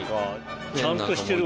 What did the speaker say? ちゃんとしてるわ。